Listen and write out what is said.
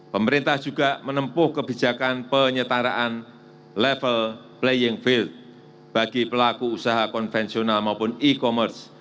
pemerintah juga menempuh kebijakan penyetaraan level playing field bagi pelaku usaha konvensional maupun e commerce